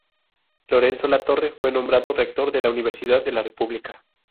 Lorenzo Latorre, fue nombrado rector de la Universidad de la República.